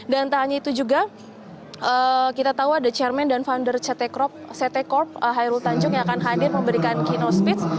dan entah hanya itu juga kita tahu ada chairman dan founder ct corp hairul tanjuk yang akan hadir memberikan keynote speech